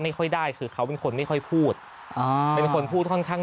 ไม่ค่อยได้คือเขาเป็นคนไม่ค่อยพูดอ่าเป็นคนพูดค่อนข้าง